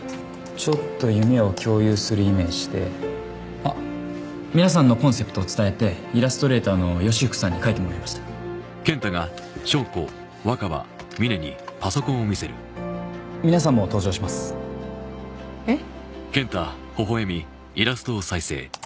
ちょっと夢を共有するイメージであっ皆さんのコンセプトを伝えてイラストレーターのヨシフクさんに描いてもらいました皆さんも登場しますえっ？